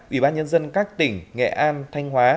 ủy ban nhân dân các tỉnh nghệ an thanh hóa